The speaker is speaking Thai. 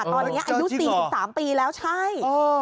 ตอนนี้อายุ๔๓ปีแล้วใช่